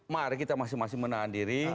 mari kita masing masing menahan diri